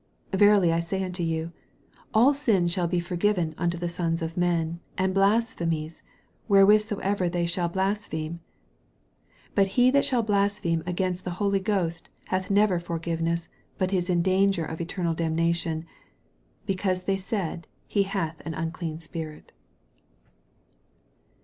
28 Verily I say nnto you, All sins shall be forgiven unto the sons of men, and blasphemies wherewith soever they shall blaspheme : 29 But ho that shall blaspheme against the Holy Ghost hath never forgiveness, but is in danger of eternal damnation : 80 Because they said, He hath an unclean spirit.